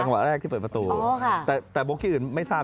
วะแรกที่เปิดประตูแต่โบ๊คที่อื่นไม่ทราบ